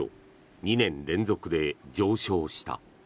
２年連続で上昇した。